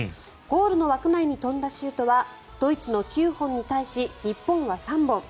ゴールの枠内に飛んだシュートはドイツの９本に対し日本は３本。